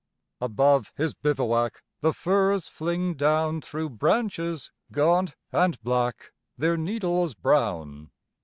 Above his bivouac the firs fling down Through branches gaunt and black, their needles brown.